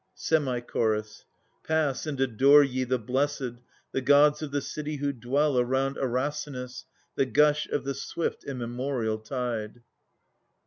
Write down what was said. Semi Chorus. Pass and adore ye the Blessed, the gods of the city who dwell Around Erasinus, the gush of the swift immemorial tide.